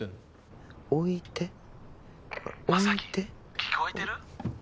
将希聞こえてる？